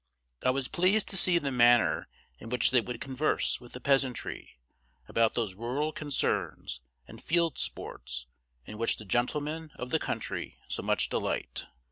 I was pleased to see the manner in which they would converse with the peasantry about those rural concerns and field sports in which the gentlemen of the country so much delight.